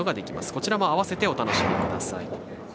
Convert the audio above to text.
こちらも合わせてお楽しみください。